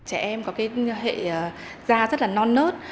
trẻ em có cái hệ da rất là non nớt